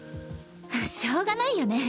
しょうがないよね。